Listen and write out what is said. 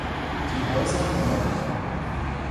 Die Häuser Nr.